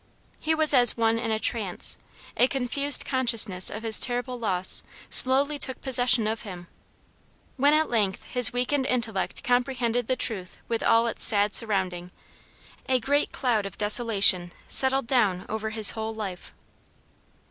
He was as one in a trance; a confused consciousness of his terrible loss slowly took possession of him. When at length his weakened intellect comprehended the truth with all its sad surrounding, a great cloud of desolation settled down over his whole life.